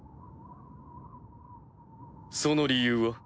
その理由は？